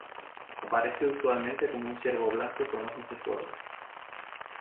Aparece usualmente como un ciervo blanco con ojos de fuego.